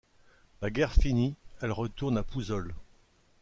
La guerre finie, elle retourne à Pouzzoles.